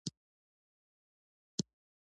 مزارشریف د افغان ماشومانو د لوبو موضوع ده.